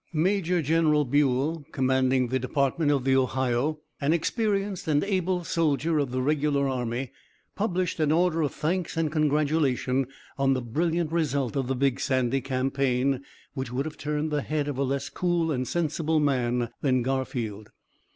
Major General Buell, commanding the Department of the Ohio, an experienced and able soldier of the Regular Army, published an order of thanks and congratulation on the brilliant result of the Big Sandy Campaign, which would have turned the head of a less cool and sensible man than Garfield.